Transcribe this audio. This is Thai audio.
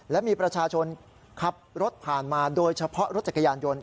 และมีประชาชนขับรถผ่านมาโดยเฉพาะรถจักรยานยนต์